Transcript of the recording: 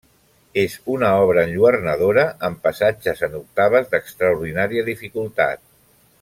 És una obra enlluernadora, amb passatges en octaves d'extraordinària dificultat.